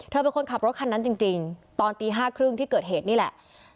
เธอเป็นคนขับรถคันนั้นจริงตอนตี๕๓๐ที่เกิดเหตุนี่แหละ